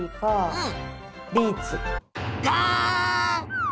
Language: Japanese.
うん！